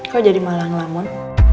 kok jadi malang lamun